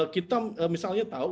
kita misalnya tahu